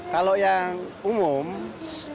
kalau yang umum sepakatnya